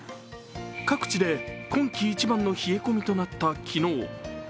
各地で今季一番の冷え込みとなった昨日。